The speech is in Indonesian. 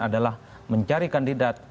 adalah mencari kandidat